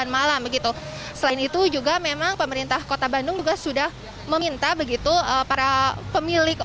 malam begitu selain itu juga memang pemerintah kota bandung juga sudah meminta begitu para pemilik